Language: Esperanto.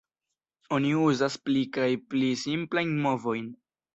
Oni uzas pli kaj pli simplajn movojn.